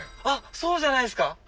あっそうじゃないですか？